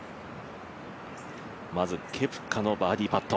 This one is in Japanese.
まずケプカのバーディーパット。